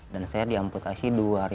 dan saya diamputasi dua ribu sembilan belas